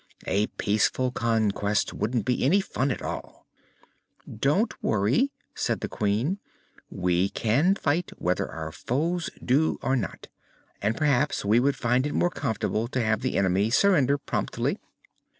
A peaceful conquest wouldn't be any fun at all." "Don't worry," said the Queen. "We can fight, whether our foes do or not; and perhaps we would find it more comfortable to have the enemy surrender promptly."